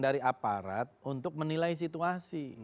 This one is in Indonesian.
aparat untuk menilai situasi